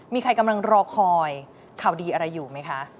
มีใครกำลังรอคอยข่าวดีอะไรอยู่ไหมคะ